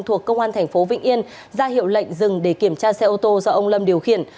thuộc công an thành phố vĩnh yên ra hiệu lệnh dừng để kiểm tra xe ô tô do ông lâm điều khiển